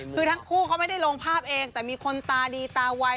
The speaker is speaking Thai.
คือทั้งคู่เขาไม่ได้ลงภาพเองแต่มีคนตาดีตาวัย